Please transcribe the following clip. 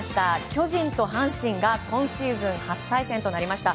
巨人と阪神が今シーズン初対戦となりました。